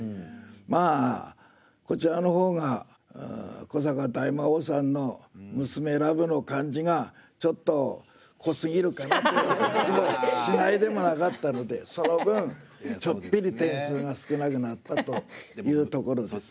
まあこちらの方が古坂大魔王さんの娘ラブの感じがちょっと濃すぎるかな。という気もしないでもなかったのでその分ちょっぴり点数が少なくなったというところです。